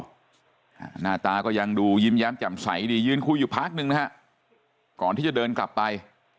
หน้าตาก็ยังดูยิ้มแย้มแจ่มใสดียืนคุยอยู่พักหนึ่งนะฮะก่อนที่จะเดินกลับไป